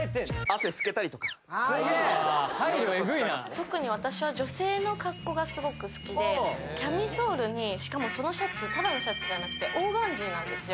特に私は女性の格好がすごく好きでキャミソールにしかもそのシャツただのシャツじゃなくてオーガンジーなんですよ